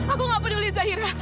aku gak peduli zahira